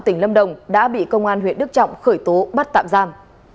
tỉnh lâm đồng đã bị công an huyện đức trọng khởi tố bắt tạm giam